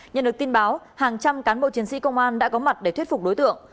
nhận được tin báo hàng trăm cán bộ chiến sĩ công an đã có mặt để thuyết phục đối tượng